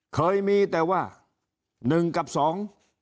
เคยมีแต่ว่าหนึ่งกับสอง